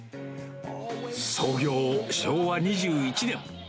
創業昭和２１年。